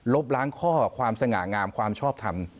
ล้างข้อความสง่างามความชอบทำ